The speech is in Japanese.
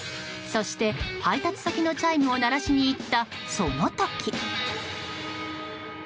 そして配達先のチャイムを鳴らしに行った、その時。